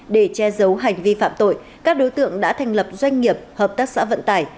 để che giấu hành vi phạm tội các đối tượng đã thành lập doanh nghiệp hợp tác xã vận tải